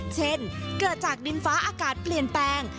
เช่นเกิดจากดินฟ้าอากาศเปลี่ยนแปลง